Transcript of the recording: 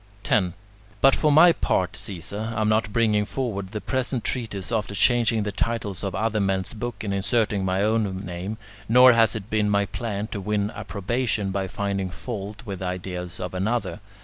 10. But for my part, Caesar, I am not bringing forward the present treatise after changing the titles of other men's books and inserting my own name, nor has it been my plan to win approbation by finding fault with the ideas of another.